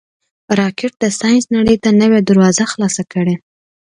راکټ د ساینس نړۍ ته نوې دروازه خلاصه کړې